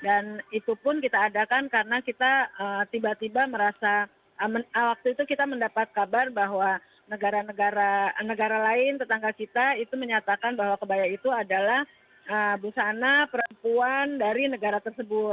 dan itu pun kita adakan karena kita tiba tiba merasa waktu itu kita mendapat kabar bahwa negara negara lain tetangga kita itu menyatakan bahwa kebaya itu adalah busana perempuan dari negara tersebut